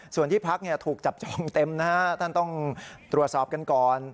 ส่วนที่พักถูกจับจองเต็มนะฮะท่านต้องตรวจสอบกันก่อน